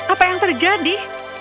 apa yang terjadi